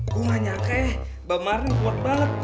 gue gak nyangka ya mbak marni kuat banget